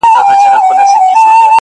چي در رسېږم نه، نو څه وکړم ه ياره~